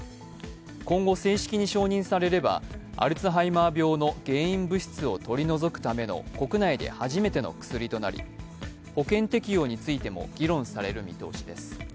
今後、正式に承認されれば、アルツハイマー病の原因物質を取り除くための国内で初めての薬となり保険適用についても議論される見通しです。